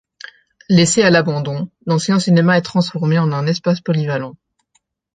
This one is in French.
Laissé à l'abandon, l'ancien cinéma est transformé en un espace polyvalent.